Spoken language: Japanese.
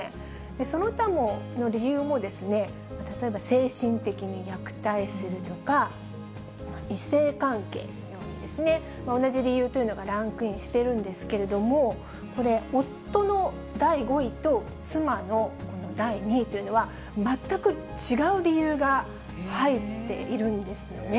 その他の理由も、例えば精神的に虐待するとか、異性関係ですね、同じ理由というのがランクインしてるんですけれども、これ、夫の第５位と、妻の第２位というのは、全く違う理由が入っているんですね。